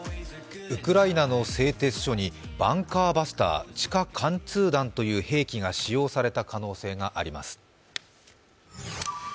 ウクライナの製鉄所にバンカーバスター、地下貫通弾という兵器が使用された可能性があります。